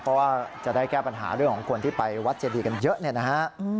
เพราะว่าจะได้แก้ปัญหาเรื่องของคนที่ไปวัดเจดีกันเยอะเนี่ยนะฮะ